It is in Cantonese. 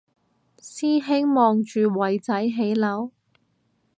師兄望住偉仔起樓？